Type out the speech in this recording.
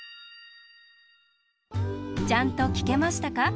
ちゃんときけましたか？